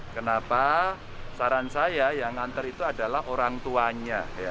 kenapa saran saya yang ngantar itu adalah orang tuanya